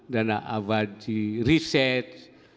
dana abadi riset